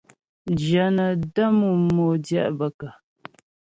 Jyə nə́ lə mú modjɛ' bə kə́ ?